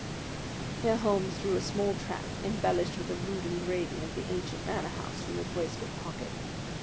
Here Holmes drew a small tract, embellished with a rude engraving of the ancient Manor House, from his waistcoat pocket.